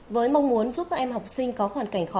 với mong muốn giúp các em học sinh có hoàn cảnh khó khăn